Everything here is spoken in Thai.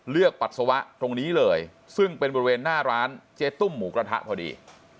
ปัสสาวะตรงนี้เลยซึ่งเป็นบริเวณหน้าร้านเจ๊ตุ้มหมูกระทะพอดี